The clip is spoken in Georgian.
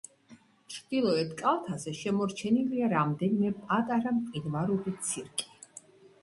ჩრდილოეთ კალთაზე შემორჩენილია რამდენიმე პატარა მყინვარული ცირკი.